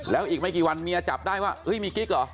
แล้วอีกไม่กี่วันเมียจับได้ว่ามีกิ๊กเหรอ